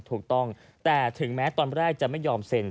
ถูกต้องแต่ถึงแม้ตอนแรกจะไม่ยอมเซ็น